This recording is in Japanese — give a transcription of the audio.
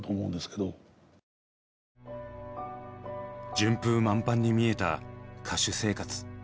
順風満帆に見えた歌手生活。